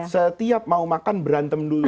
setiap mau makan berantem dulu